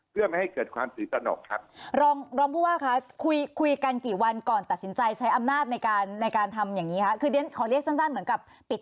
เพื่อไม่ให้เกิดความตื่นตนกครับ